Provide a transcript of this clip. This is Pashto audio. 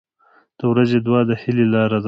• د ورځې دعا د هیلې لاره ده.